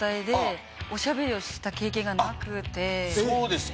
あっそうですか。